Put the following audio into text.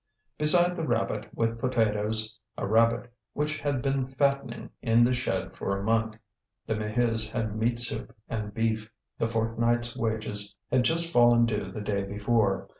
Beside the rabbit with potatoes, a rabbit which had been fattening in the shed for a month, the Maheus had meat soup and beef. The fortnight's wages had just fallen due the day before.